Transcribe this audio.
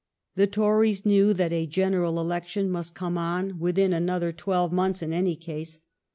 The Tories knew that a general election must come on within another twelve months in any case.